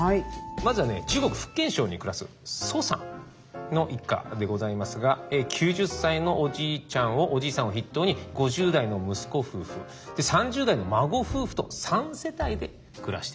まずは中国福建省に暮らす蘇さんの一家でございますが９０歳のおじいさんを筆頭に５０代の息子夫婦３０代の孫夫婦と３世帯で暮らしている。